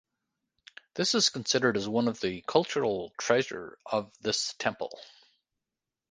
This is considered as one of the cultural treasure of this temple.